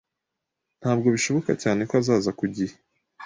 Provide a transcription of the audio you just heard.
Ntabwo bishoboka cyane ko azaza ku gihe.